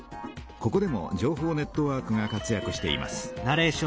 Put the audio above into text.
ここでも情報ネットワークが活やくしています。